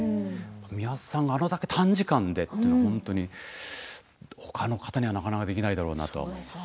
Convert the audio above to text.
美輪さん、あれだけ短時間でというのはほかの方にはなかなかできないだろうなと。